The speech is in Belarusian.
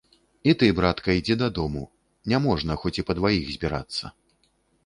І ты, братка, ідзі дадому, няможна хоць і па дваіх збірацца.